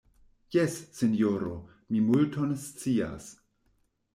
Jes, sinjoro, mi multon scias.